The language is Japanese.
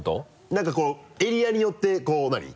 何かこうエリアによってこう何？